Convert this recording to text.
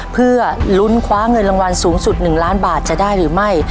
เพื่อลุ้นคว้าเงินรางวัลสูงสุด๑ล้านบาทจะได้หรือไม่